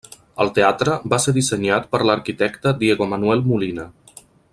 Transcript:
El teatre va ser dissenyat per l'arquitecte Diego Manuel Molina.